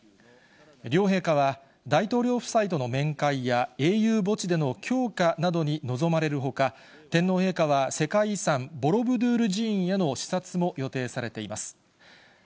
両陛下は、大統領夫妻との面会や英雄墓地での供花などに臨まれるほか、天皇陛下は、世界遺産、ボロブドゥール寺院への視察も予定されています。